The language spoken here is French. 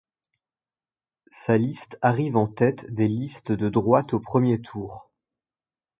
Sa liste arrive en tête des listes de droite au premier tour.